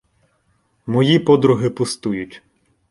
Мої подруги пустують